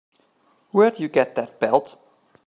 Where'd you get that belt?